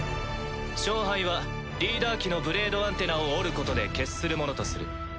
勝敗はリーダー機のブレードアンテナを折ることで決するものとする。